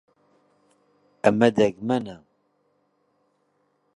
ئەمە دەگمەنە.